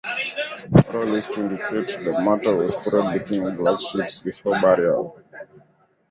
Oral history indicates the matter was spread between glass sheets before burial.